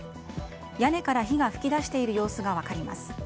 屋根から火が噴き出している様子が分かります。